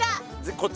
こっち。